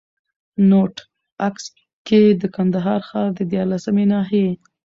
نوټ: عکس کي د کندهار ښار د ديارلسمي ناحيې